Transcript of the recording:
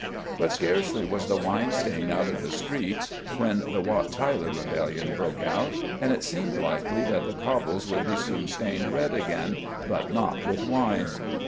But scarcely was the wine stain out of the streets when the Wat Tyler rebellion broke out, and it seemed likely that the cobbles would be soon stained red again, but not with wine.